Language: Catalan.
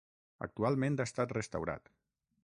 Actualment ha estat restaurat.